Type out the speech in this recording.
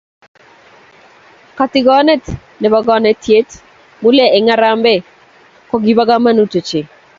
Katikonee ne bo konetinte Mulee eng Harambee ko kibo komonut ochei.